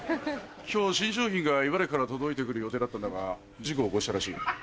今日新商品が茨城から届いて来る予定だったんだが事故を起こしたらしい。